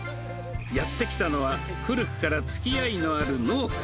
やって来たのは、古くからつきあいのある農家。